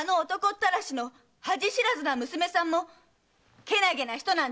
ったらしの恥知らずな娘さんもけなげな人なんですか？